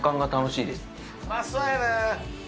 うまそうやね。